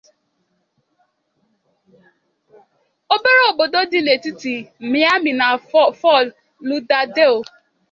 obere obodo dị n’ekiti Miami na Fort Lauderdale.